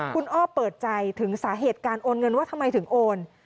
คุณอ้อเปิดใจถึงสาเหตุการโอนเงินว่าทำไมถึงโอน